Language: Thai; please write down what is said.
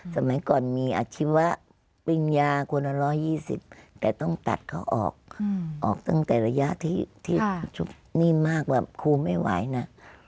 สมัยก่อนมีอาชีวะปิญญาคนละ๑๒๐แต่ต้องตัดเขาออกออกตั้งแต่ระยะที่นิ่มมากแบบครูไม่ไหวนะ